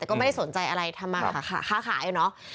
ก็ไม่สนใจอะไรทำค่ะค่าเลยเนาะ